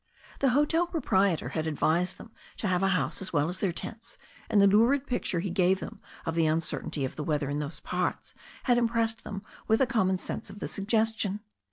The hotel proprietor had advised them to have a house as well as their tents, and the lurid picture he gave them of the uncertainty of the weather in those parts had impressed them with the common sense of the suggestion.